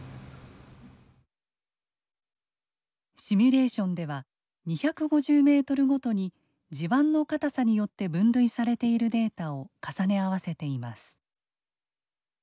シミュレーションでは２５０ｍごとに地盤の固さによって分類されているデータを重ね合わせています。